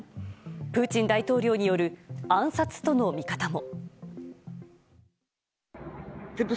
プーチン大統領による暗殺との見方も。